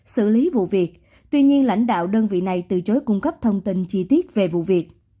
xử lý vụ việc tuy nhiên lãnh đạo đơn vị này từ chối cung cấp thông tin chi tiết về vụ việc